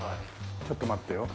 ちょっと待ってよ。